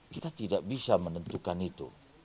kita tidak bisa menentukan itu